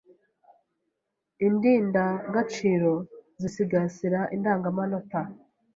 Indindagaciro zisigasira indangamanota